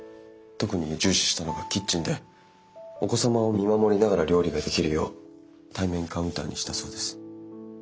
特に重視したのがキッチンでお子様を見守りながら料理ができるよう対面カウンターにしたそうです。